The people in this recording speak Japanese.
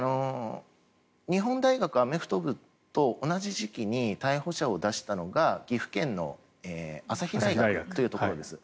日本大学アメフト部と同じ時期に逮捕者を出したのが岐阜県の朝日大学というところです。